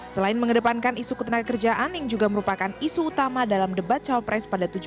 selain mengedepankan isu ketenaga kerjaan yang juga merupakan isu utama dalam debat cawapres pada tujuh belas